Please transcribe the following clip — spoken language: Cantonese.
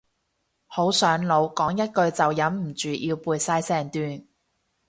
好上腦，講一句就忍唔住要背晒成段